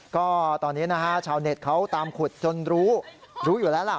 ก็ตอนนี้นะฮะชาวเน็ตเขาตามขุดจนรู้รู้อยู่แล้วล่ะ